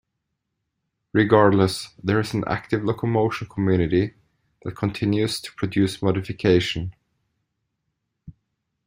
Regardless, there is an active "Locomotion" community that continues to produce modifications.